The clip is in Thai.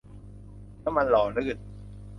น้ำมันหล่อลื่น